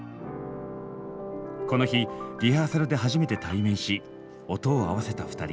この日リハーサルで初めて対面し音を合わせた２人。